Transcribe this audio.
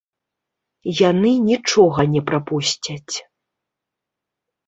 Яны нічога не прапусцяць.